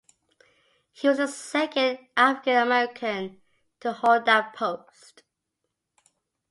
He was the second African American to hold that post.